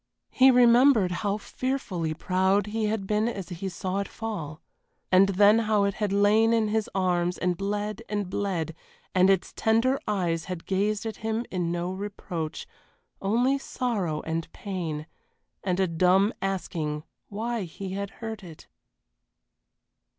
He remembered how fearfully proud he had been as he saw it fall, and then how it had lain in his arms and bled and bled, and its tender eyes had gazed at him in no reproach, only sorrow and pain, and a dumb asking why he had hurt it.